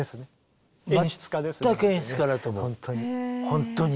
本当に！